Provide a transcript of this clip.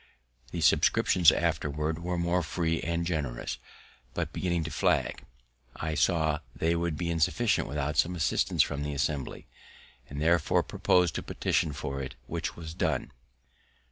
The subscriptions afterwards were more free and generous; but, beginning to flag, I saw they would be insufficient without some assistance from the Assembly, and therefore propos'd to petition for it, which was done.